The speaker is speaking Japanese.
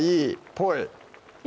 ぽい！